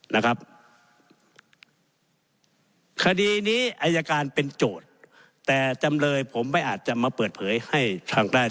นะครับคดีนี้อายการเป็นโจทย์แต่จำเลยผมไม่อาจจะมาเปิดเผยให้ฟังได้